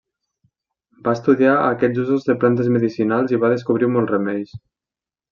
Va estudiar aquests usos de plantes medicinals i va descobrir molts remeis.